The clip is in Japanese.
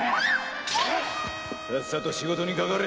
さっさと仕事にかかれ！